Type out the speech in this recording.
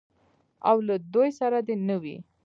او له دوی سره دې نه وي.